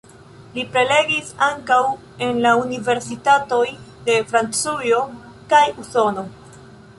Li prelegis ankaŭ en la universitatoj de Francujo kaj de Usono.